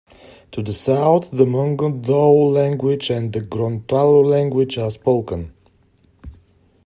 To the south, the Mongondow language and the Gorontalo language are spoken.